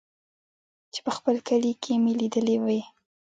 چې په خپل کلي کښې مې ليدلې وې.